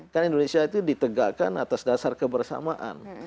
kan indonesia itu ditegakkan atas dasar kebersamaan